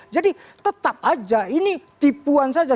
jadi tetap aja ini tipuan saja